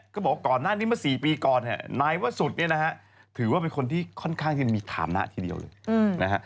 ก่อนหน้านี้มา๔ปีก่อนนายว่าสุดถือว่าเป็นคนที่ค่อนข้างที่มีถามนะทีเดียวเลย